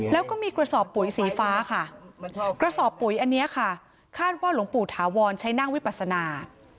แล้วก็มีกระสอบปุ๋ยสีฟ้าค่ะกระสอบปุ๋ยอันนี้ค่ะคาดว่าหลวงปู่ถาวรใช้นั่งวิปัสนา